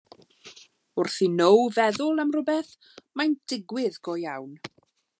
Wrth i Now feddwl am rywbeth, mae'n digwydd go iawn.